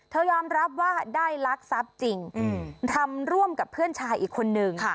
ยอมรับว่าได้ลักทรัพย์จริงทำร่วมกับเพื่อนชายอีกคนนึง